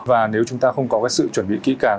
và nếu chúng ta không có cái sự chuẩn bị kỹ càng